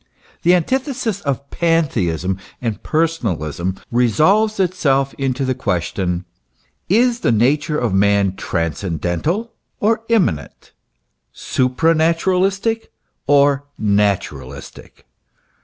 The antithesis of pantheism and personalism resolves itself into the question : is the nature of man transcendental or immanent, supranaturalistic or naturalistic